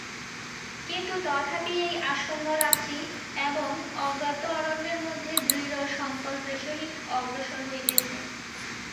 কিন্তু তথাপি এই আসন্ন রাত্রি এবং অজ্ঞাত অরণ্যের মধ্যে দৃঢ় সংকল্পের সহিত অগ্রসর হইতেছে।